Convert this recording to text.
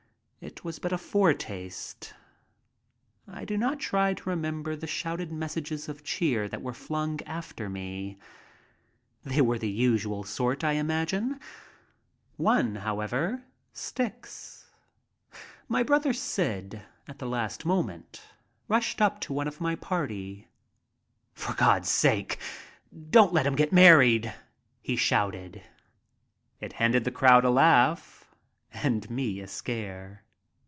It was but a foretaste. I do not try to remember the shouted messages of cheer that were flung after me. They were of the usual sort, I imagine. 4 MY TRIP ABROAD One, however, sticks. My brother Syd at the last moment rushed up to one of my party. "For God's sake, don't let him get married!" he shouted. It handed the crowd a laugh and me a scare.